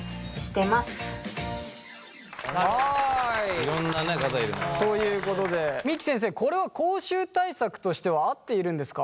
いろんな方いるね。ということで三木先生これは口臭対策としては合っているんですか？